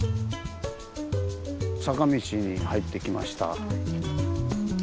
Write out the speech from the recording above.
坂道に入ってきました。